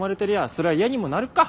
そりゃ嫌にもなるか。